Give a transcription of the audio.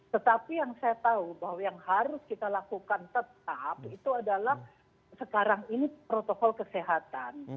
tetapi yang saya tahu bahwa yang harus kita lakukan tetap itu adalah sekarang ini protokol kesehatan